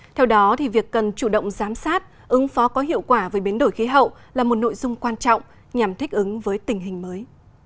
theo đó việc cần chủ động giám sát ứng phó có hiệu quả với biến đổi khí hậu là một nội dung quan trọng nhằm thích ứng với tình hình mới